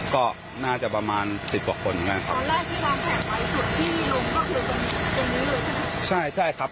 ก็น่าจะประมาณสิบกว่าคนนะครับครับที่มีลุงก็คือใช่ใช่ครับ